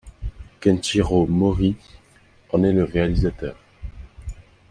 Kenshiro Morii en est le réalisateur.